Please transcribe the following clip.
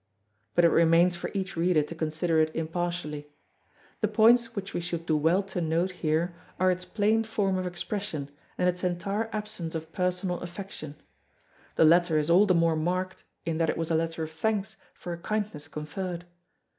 But it remains for each reader to consider it impartially. The points which we should do well to note here are its plain form of expression, and its entire absence of personal affection. The latter is all the more marked in that it was a letter of thanks for a kindness conferred.